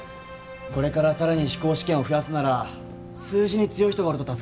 これから更に飛行試験を増やすなら数字に強い人がおると助かる。